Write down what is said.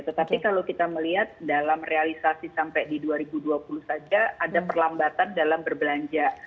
tetapi kalau kita melihat dalam realisasi sampai di dua ribu dua puluh saja ada perlambatan dalam berbelanja